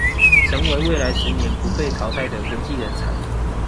成為未來十年不被淘汰的國際人才